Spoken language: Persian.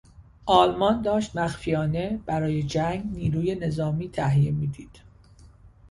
آلمان داشت مخفیانه برای جنگ نیروی نظامی تهیه میدید.